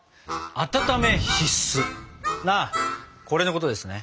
ああこれのことですね。